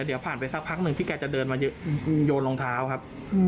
เดี๋ยวผ่านไปสักพักหนึ่งที่แกจะเดินมาโยนรองเท้าครับ